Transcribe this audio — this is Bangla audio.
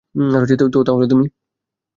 তো, তাহলে তুমি?